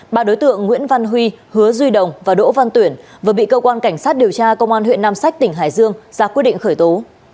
ba đối tượng nguyễn văn huy hứa duy đồng và đỗ văn tuyển vừa bị cơ quan cảnh sát điều tra công an huyện nam sách tỉnh hải dương ra quyết định khởi tố